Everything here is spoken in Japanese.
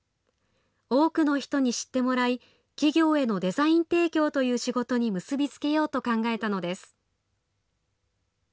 多くの人に知ってもらい、企業へのデザイン提供という仕事に結び付けようと考えたのです。